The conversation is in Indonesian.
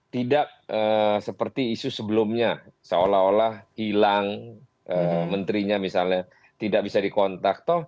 tidak seperti isu sebelumnya seolah olah hilang menterinya misalnya tidak bisa dikontak